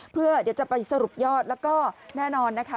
เพื่อเดี๋ยวจะไปสรุปยอดแล้วก็แน่นอนนะคะ